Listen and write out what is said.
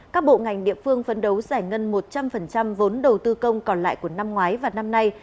các bộ ngành địa phương phấn đấu giải ngân một trăm linh vốn đầu tư công còn lại của năm ngoái và năm nay